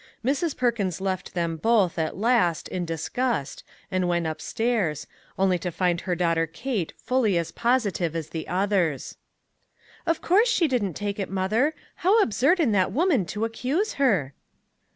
Mrs. Perkins left them both, 118 THINGS "WORKING TOGETHER" at last, in disgust, and went upstairs, only to find her daughter Kate fully as positive as the others. " Of course, she didn't take it, mother, how absurd in that woman to accuse her